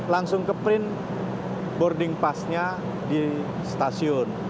langsung ke print boarding passnya di stasiun